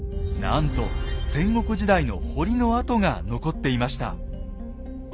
なんと戦国時代の堀の跡が残っていました。